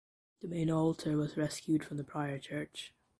The main altar was rescued from the prior church.